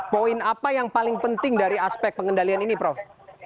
poin apa yang paling penting dari aspek pengendalian ini prof